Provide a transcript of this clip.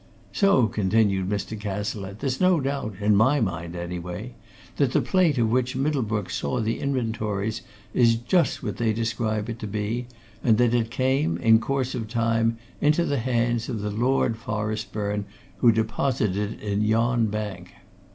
"So," continued Mr. Cazalette, "there's no doubt, in my mind, anyway, that the plate of which Middlebrook saw the inventories is just what they describe it to be, and that it came, in course of time, into the hands of the Lord Forestburne who deposited it in yon bank.